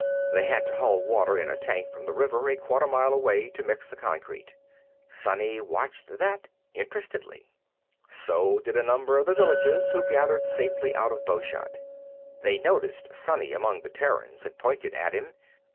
They had to haul water in a tank from the river a quarter mile away to mix the concrete. Sonny watched that interestedly. So did a number of the villagers, who gathered safely out of bowshot. They noticed Sonny among the Terrans and pointed at him.